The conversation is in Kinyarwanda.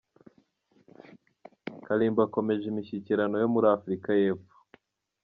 Kalimba akomeje imishyikirano yo muri Afurika y’Epfo